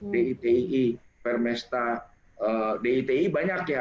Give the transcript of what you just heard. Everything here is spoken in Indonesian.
diti prmesta diti banyak ya